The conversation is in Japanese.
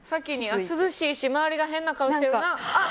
涼しいし周りが変な顔してるなあっ！